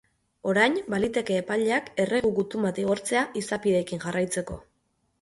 Orain, baliteke epaileak erregu-gutun bat igortzea, izapideekin jarraitzeko.